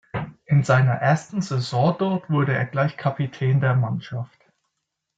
In seiner ersten Saison dort wurde er gleich Kapitän der Mannschaft.